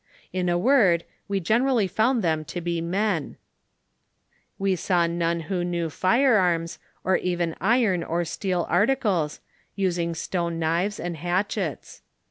In a word, we generally found them to be men, "We saw none who knew firearms, or even iron or steel articles, using stone knives and hatchets.